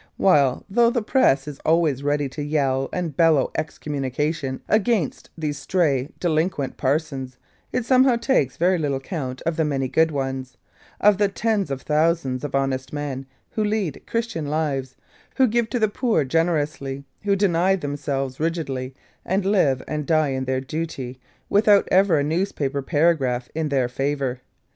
while, though the press is always ready to yell and bellow excommunication against these stray delinquent parsons, it somehow takes very little count of the many good ones of the tens of thousands of honest men, who lead Christian lives, who give to the poor generously, who deny themselves rigidly, and live and die in their duty, without ever a newspaper paragraph in their favour.